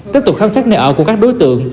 tiếp tục khám xét nơi ở của các đối tượng